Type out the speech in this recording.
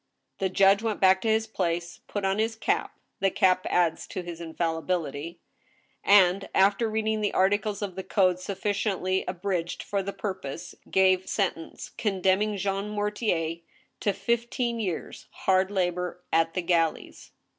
The judge went back to his place, put on his cap (the cap adds to his infallibility), and, after reading the articles of the code suffi 14 2IO THE STEEL HAMMER. ciently abridged for the purpose, gave sentence, condemning Jean Mortier to fifteen years' hard labor at the galleys.